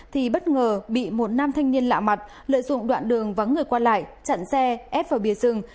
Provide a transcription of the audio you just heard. thì bất ngờ bị một nam thanh niên lạ mặt lợi dụng đoạn đường vắng người qua lại chặn xe ép vào bìa rừng